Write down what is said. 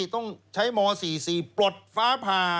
ต้องใช้ม๔๔ปลดฟ้าผ่า